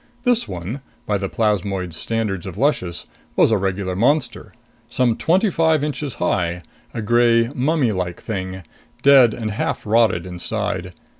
This one, by the plasmoid standards of Luscious, was a regular monster, some twenty five inches high; a gray, mummylike thing, dead and half rotted inside.